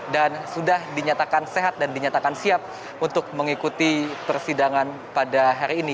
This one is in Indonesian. dan sudah dinyatakan sehat dan dinyatakan siap untuk mengikuti persidangan pada hari ini